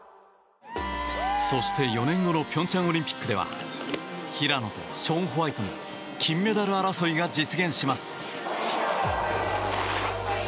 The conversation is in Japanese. そして４年後の平昌オリンピックでは平野とショーン・ホワイトの金メダル争いが実現します。